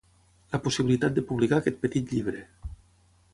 la possibilitat de publicar aquest petit llibre